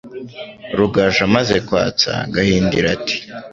Rugaju amaze kwatsa, Gahindiro ati